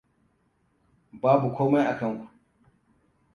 Babu komai a kanku!